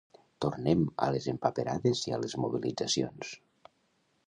Tornem a les empaperades i a les mobilitzacions.